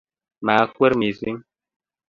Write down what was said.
maakwer mising